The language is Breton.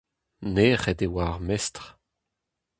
Nec'het e oa ar mestr.